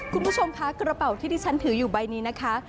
คุณผู้ชมคะกระเป๋าที่ที่ฉันถืออยู่ใบนี้นะคะ